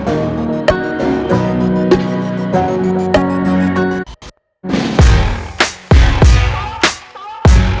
atau tahu yang lagi